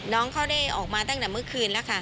น้องเขาได้ออกมาตั้งแต่เมื่อคืนแล้วค่ะ